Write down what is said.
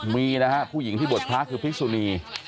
มีนะครับผู้หญิงที่บดพระคือภิกษุนี